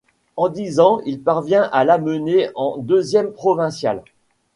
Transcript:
En dix ans, il parvient à l'amener en deuxième provinciale.